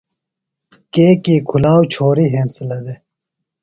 کیکی کُھلاؤ چھوریۡ ہنسِلہ دےۡ۔